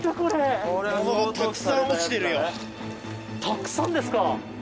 たくさんですか！